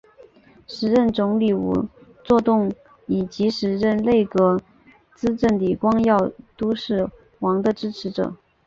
时任总理吴作栋以及时任内阁资政李光耀都是王的支持者。